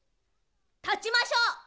たちましょう！